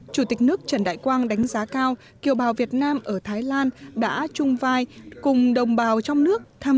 chủ tịch nước trần đại quang đánh giá cao kiều bào việt nam ở thái lan đã trung tâm